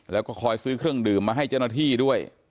แล้วก็คอยซื้อเครื่องดื่มมาให้เจ้าหน้าที่ด้วย